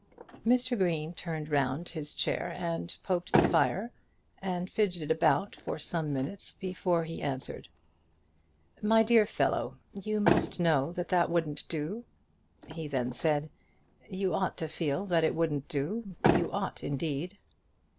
Mr. Green turned round his chair and poked the fire, and fidgeted about for some moments before he answered. "My dear fellow, you must know that that wouldn't do." He then said, "You ought to feel that it wouldn't do; you ought indeed."